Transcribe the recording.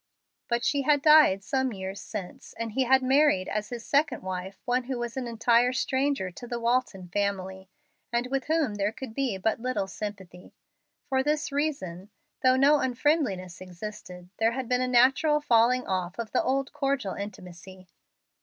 But she had died some years since, and he had married as his second wife one who was an entire stranger to the Walton family, and with whom there could be but little sympathy. For this reason, though no unfriendliness existed, there had been a natural falling off of the old cordial intimacy.